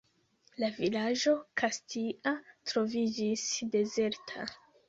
La vilaĝo Kastia troviĝis dezerta.